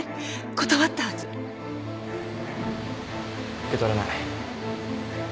受け取れない